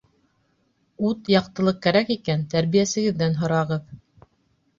Ут, яҡтылыҡ кәрәк икән, тәрбиәсегеҙҙән һорағыҙ.